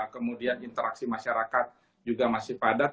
kemudian interaksi masyarakat juga masih padat